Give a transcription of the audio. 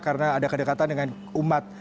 karena ada kedekatan dengan umat